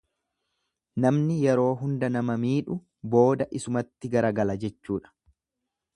Namni yeroo hunda nama miidhu booda isumatti garagala jechuudha.